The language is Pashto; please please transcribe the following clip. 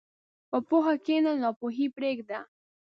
په پوهه کښېنه، ناپوهي پرېږده.